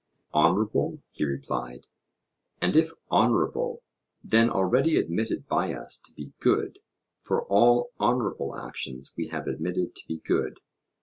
Honourable, he replied. And if honourable, then already admitted by us to be good; for all honourable actions we have admitted to be good.